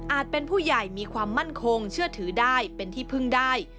เป็นผู้ใหญ่มีความมั่นคงเชื่อถือได้เป็นที่พึ่งได้